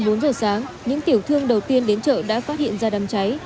bốn giờ sáng những tiểu thương đầu tiên đến chợ đã phát hiện ra đám cháy